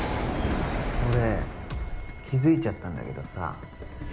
俺気づいちゃったんだけどさ